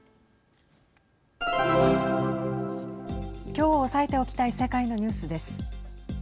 きょう押さえておきたい世界のニュースです。